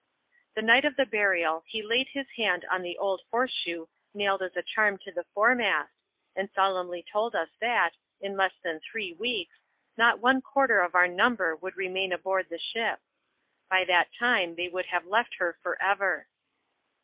Tbe nigbt of tbe burial he laid bis band on the old horse shoe nailed as a charm to the foremast, and solemnly told us that, in lesd than three weeks, not one quarter of our number would remain aboard the ship — by that time they would have left her for ever.